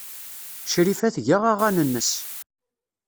Crifa tga aɣan-nnes.